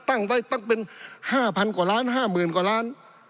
ตั้งไว้ตั้งเป็น๕๐๐กว่าล้าน๕๐๐๐กว่าล้าน